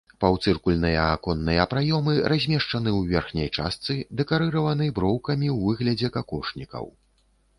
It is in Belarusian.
Паўцыркульныя аконныя праёмы размешчаны ў верхняй частцы, дэкарыраваны броўкамі ў выглядзе какошнікаў.